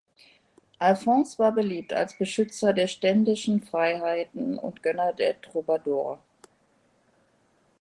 Alfons war beliebt als Beschützer der ständischen Freiheiten und Gönner der Trobadors.